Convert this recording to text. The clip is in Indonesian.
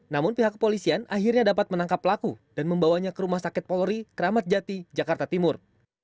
namun pihak kepolisian akhirnya dapat menangkap pelaku dan membawanya ke rumah sakit polri kramat jati jakarta timur